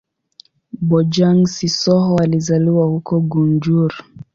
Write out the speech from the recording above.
Bojang-Sissoho alizaliwa huko Gunjur.